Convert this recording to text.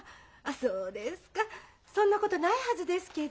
そうですかそんなことないはずですけど。